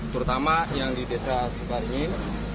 terutama yang di desa sukaringin